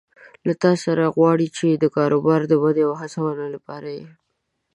له تاسو غواړي چې د کاروبار د ودې او هڅونې لپاره یې